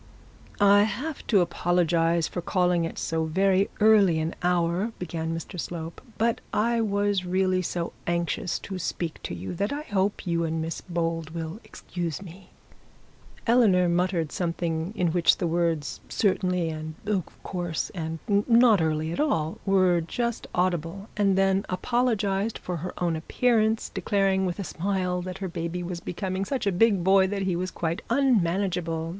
'I have to apologise for calling at so very early an hour,' began Mr Slope, 'but I was really so anxious to speak to you that I hope you and Miss Bold will excuse me.' Eleanor muttered something in which the words 'certainly', and 'of course', and 'not early at all', were just audible, and then apologised for her own appearance, declaring with a smile, that her baby was becoming such a big boy that he was quite unmanageable.